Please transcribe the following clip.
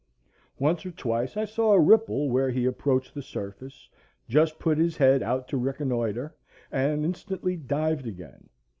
Once or twice I saw a ripple where he approached the surface, just put his head out to reconnoitre, and instantly dived again.